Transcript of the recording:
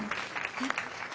えっ？